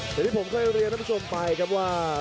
เดี๋ยวที่ผมเคยเรียนให้ผู้ชมไปครับว่า